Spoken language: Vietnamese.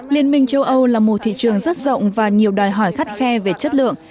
liên minh châu âu là một thị trường rất rộng và nhiều đòi hỏi khắt khe về chất lượng